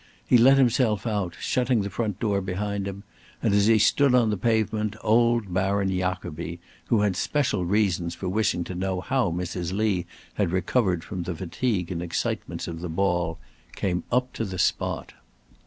He let himself out, shutting the front door behind him, and as he stood on the pavement old Baron Jacobi, who had special reasons for wishing to know how Mrs. Lee had recovered from the fatigue and excitements of the ball, came up to the spot.